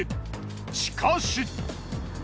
しかし。